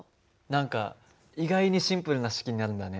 何か意外にシンプルな式になるんだね。